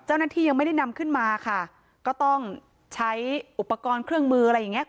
เจ้าหน้าที่ยังไม่ได้นำขึ้นมาค่ะก็ต้องใช้อุปกรณ์เครื่องมืออะไรอย่างเงี้